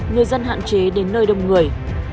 người dân hạn chế đến nơi đông người